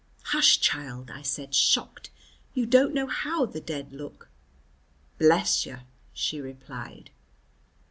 "Hush, child," I said, shocked. "You don't know how the dead look." "Bless yer!" she replied.